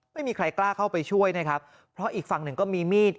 ไม่มีใครกล้าเข้าไปช่วยนะครับเพราะอีกฝั่งหนึ่งก็มีมีด